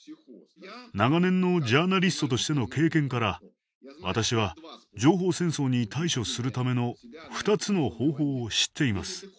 長年のジャーナリストとしての経験から私は情報戦争に対処するための２つの方法を知っています。